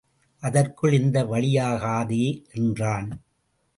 அதற்கு இந்த வழியாகாதே என்றான்.